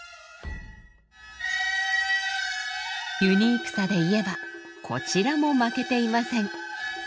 ユニークさで言えばこちらも負けていません。